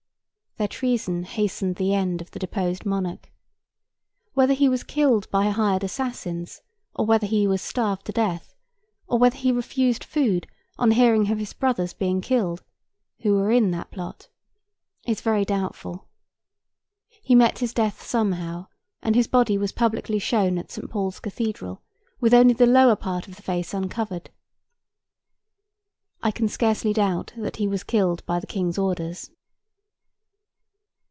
Their treason hastened the death of the deposed monarch. Whether he was killed by hired assassins, or whether he was starved to death, or whether he refused food on hearing of his brothers being killed (who were in that plot), is very doubtful. He met his death somehow; and his body was publicly shown at St. Paul's Cathedral with only the lower part of the face uncovered. I can scarcely doubt that he was killed by the King's orders.